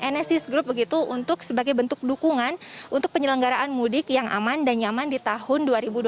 nsis group begitu untuk sebagai bentuk dukungan untuk penyelenggaraan mudik yang aman dan nyaman di tahun dua ribu dua puluh satu